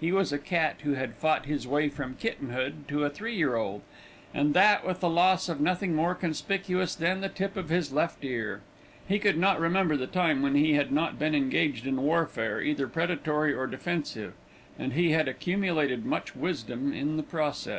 He was a cat who had fought his way from kittenhood to a three year old, and that with the loss of nothing more conspicuous than the tip of his left ear. He could not remember the time when he had not been engaged in warfare, either predatory or defensive, and he had accumulated much wisdom in the process.